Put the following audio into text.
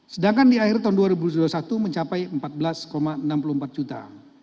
sedangkan di akhir tahun dua ribu dua puluh satu mencapai empat belas enam puluh empat juta